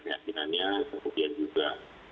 sebenarnya sebetulnya juga